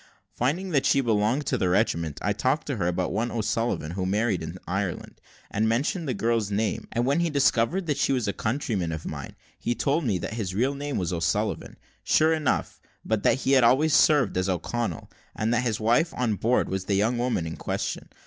Finding that he belonged to the regiment, I talked to him about one O'Sullivan who married in Ireland, and mentioned the girl's name, and when he discovered that she was a countryman of mine, he told me that his real name was O'Sullivan, sure enough, but that he had always served as O'Connell, and that his wife on board was the young woman in question.